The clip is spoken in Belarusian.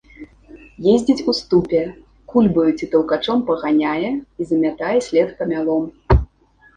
Ездзіць у ступе, кульбаю ці таўкачом паганяе і замятае след памялом.